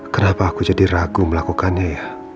kenapa aku jadi ragu melakukannya ya